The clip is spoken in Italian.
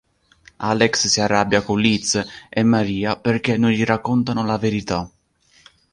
Alex si arrabbia con Liz e Maria perché non gli raccontano la verità.